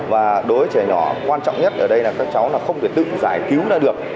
và đối với trẻ nhỏ quan trọng nhất ở đây là các cháu là không thể tự giải cứu ra được